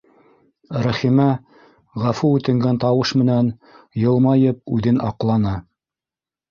Рәхимә, ғәфү үтенгән тауыш менән, йылмайып, үҙен аҡланы: